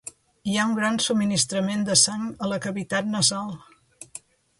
Hi ha un gran subministrament de sang a la cavitat nasal.